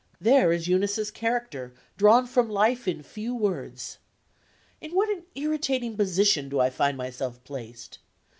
There is Eunice's character, drawn from the life in few words. In what an irritating position do I find myself placed!